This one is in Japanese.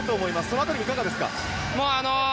その辺りはどうですか？